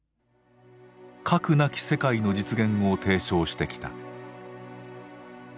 「核なき世界」の実現を提唱してきた。